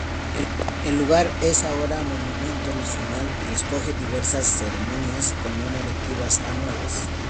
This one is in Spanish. El lugar es ahora monumento nacional y acoge diversas ceremonias conmemorativas anuales.